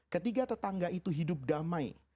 ketiga tetangga itu hidup damai